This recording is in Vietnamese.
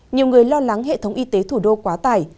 nhiều người lo lắng hệ thống y tế thủ đô quá tải